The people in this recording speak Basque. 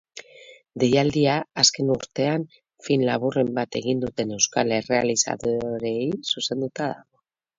Deialdia azken urtean film laburren bat egin duten euskal errealizadoreei zuzenduta dago.